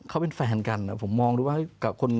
เขาบอกว่าเขาเป็นแฟนกัน